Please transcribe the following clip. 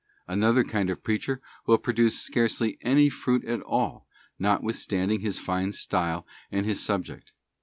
Another kind of preacher will produce scarcely any fruit at all, notwithstanding his fine style and his subject.